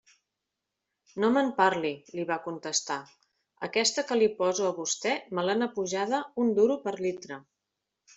«No me'n parli», li va contestar, «aquesta que li poso a vostè me l'han apujada un duro per litre».